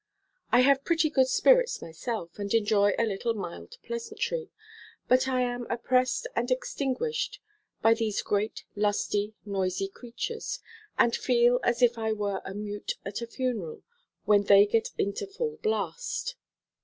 I have pretty good spirits myself, and enjoy a little mild pleasantry, but I am oppressed and extinguished by these great lusty, noisy creatures, and feel as if I were a mute at a funeral when they get into full blast.